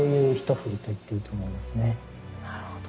なるほど。